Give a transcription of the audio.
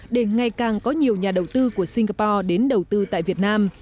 để ngày càng có nhiều nhà đầu tư của singapore đến đầu tư tại việt nam